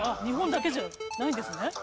日本だけじゃないんですね。